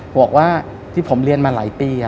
บอกว่าที่ผมเรียนมาหลายปี